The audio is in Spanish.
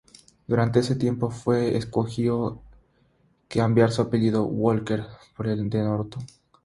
Durante ese tiempo fue que escogió cambiar su apellido Walker por el de Norton.